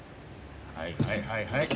はいはいはいはい。